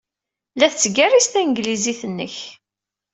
La tettgerriz tanglizit-nnek.